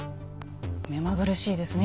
目まぐるしいですね